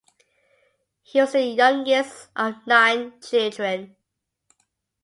He was the youngest of nine children.